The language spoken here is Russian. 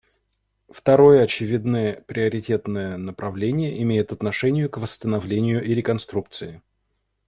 Второе очевидное приоритетное направление имеет отношение к восстановлению и реконструкции.